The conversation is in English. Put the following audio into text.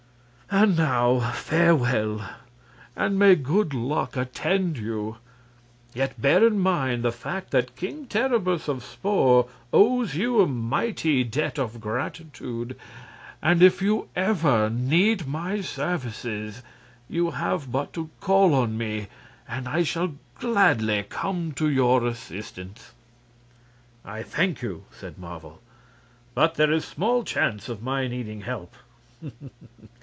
And now farewell, and may good luck attend you. Yet bear in mind the fact that King Terribus of Spor owes you a mighty debt of gratitude; and if you ever need my services, you have but to call on me, and I shall gladly come to your assistance." "I thank you," said Marvel, "but there is small chance of my needing help.